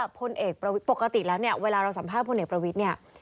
ปกติแล้วเวลาเราสัมภาษณ์พลเอกประวิทเนี่ย